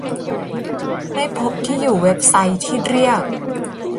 ไม่พบที่อยู่เว็บไซต์ที่เรียก